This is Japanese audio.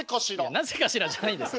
なぜかしらじゃないんです。